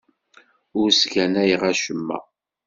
Ur ssganayeɣ acemma.